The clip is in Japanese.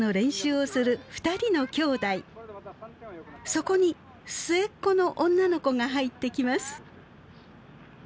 そこに末っ子の女の子が入ってきます。